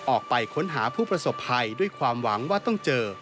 ออกไปค้นหาผู้ประสบภัยด้วยความหวังว่าต้องเจอ